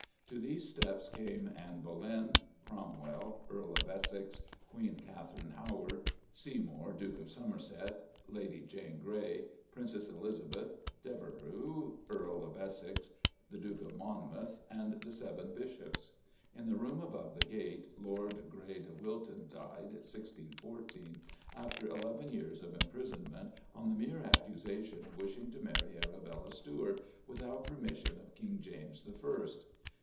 To these steps came Anne Boleyn; Cromwell, Earl of Essex; Queen Katherine Howard; Seymour, Duke of Somerset; Lady Jane Grey, Princess Elizabeth, Devereux, Earl of Essex; the Duke of Monmouth, and the Seven Bishops. In the room above the Gate, Lord Grey de Wilton died (1614), after eleven years of imprisonment on the mere accusation of wishing to marry Arabella Stuart, "without permission of King James I." St.